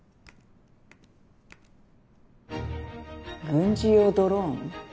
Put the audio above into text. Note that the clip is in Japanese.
「軍事用ドローン」？